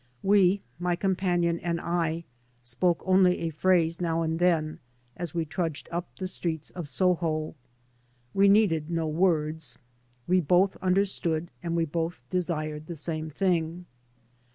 We, my companion and I, spoke only a phrase now and then as we trudged up the streets of Soho. We needed no words. We both understood and we both desired the same thing.